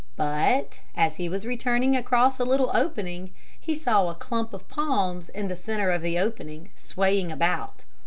But as he was returning across a little opening, he saw a clump of palms in the centre of the opening, swaying about.